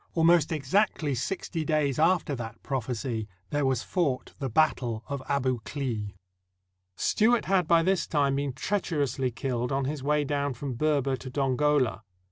Almost exactly sixty days after that prophecy there was fought the battle of Abu Klea. Stewart had by this time been treacherously killed on his way down from Berber to Dongola.